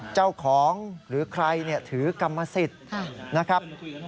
เจ้าของหรือใครถือกรรมสิทธิ์นะครับ